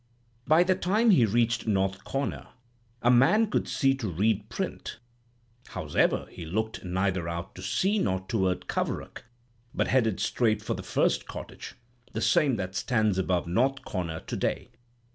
By the time he reached North Corner, a man could see to read print; hows'ever, he looked neither out to sea nor toward Coverack, but headed straight for the first cottage—the same that stands above North Corner to day.